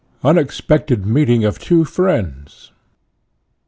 Unexpected meeting of two friends.